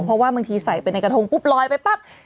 เพราะว่าบางทีใส่ไปในกระทงปุ๊บลอยไปปั๊บ